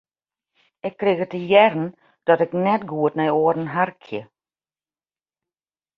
Ik krige te hearren dat ik net goed nei oaren harkje.